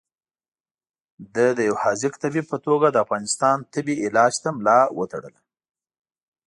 ده د یو حاذق طبیب په توګه د افغانستان تبې علاج ته ملا وتړله.